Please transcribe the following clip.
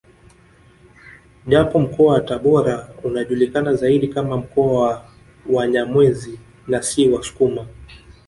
Japo mkoa wa Tabora unajulikana zaidi kama mkoa wa Wanyamwezi na si wasukuma